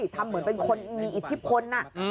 ทำเหมือนเป็นคนมีอิทธิพล